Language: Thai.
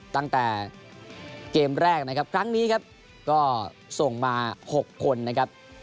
ตั้งแต่เกมแรกนะครับครั้งนี้ครับก็ส่งมา๖คนนะครับ